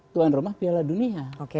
tuan rumah piala dunia